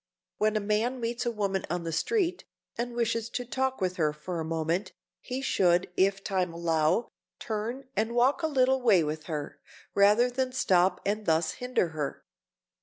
When a man meets a woman on the street, and wishes to talk with her for a moment, he should, if time allow, turn and walk a little way with her, rather than stop and thus hinder her.